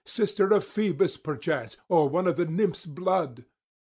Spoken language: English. sister of Phoebus perchance, or one of the nymphs' blood?